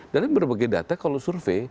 dalam berbagai data kalau survei